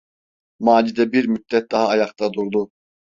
Macide bir müddet daha ayakta durdu.